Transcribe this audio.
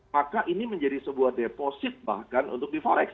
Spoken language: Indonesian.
maka ini menjadi sebuah deposit bahkan untuk di forex